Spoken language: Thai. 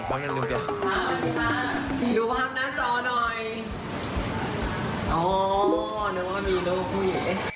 อ๋อนึกว่ามีโลกพูดอย่างเงี้ย